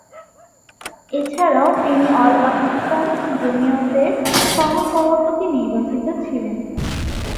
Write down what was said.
এছাড়াও তিনি অল পাকিস্তান জমিয়তের সহ-সভাপতি নির্বাচিত ছিলেন।